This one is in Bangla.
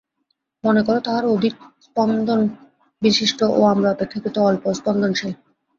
মনে কর, তাহারা অধিক স্পন্দনবিশিষ্ট ও আমরা অপেক্ষাকৃত অল্প স্পন্দনশীল।